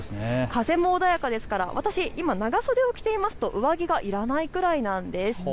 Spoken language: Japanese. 風も穏やかですから、私今長袖を着ていると上着がいらないくらいです。